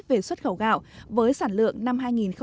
về xuất khẩu gạo với sản lượng năm hai nghìn một mươi chín